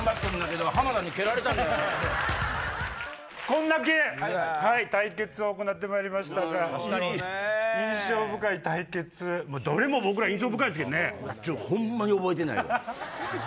こんだけ対決を行ってまいりましたが印象深い対決どれも僕ら印象深いですけどね。